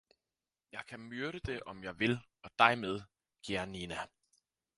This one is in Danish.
Jeg kan myrde det om jeg vil, og dig med, Gianina!